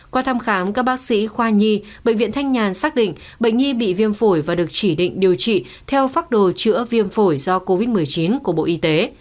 qua thăm khám các bác sĩ khoa nhi bệnh viện thanh nhàn xác định bệnh nhi bị viêm phổi và được chỉ định điều trị theo phác đồ chữa viêm phổi do covid một mươi chín của bộ y tế